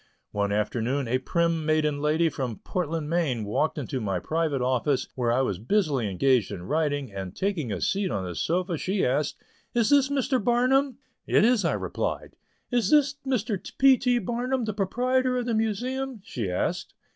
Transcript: One afternoon a prim maiden lady from Portland, Maine, walked into my private office, where I was busily engaged in writing, and taking a seat on the sofa she asked: "Is this Mr. Barnum?" "It is," I replied. "Is this Mr. P. T. Barnum, the proprietor of the Museum?" she asked.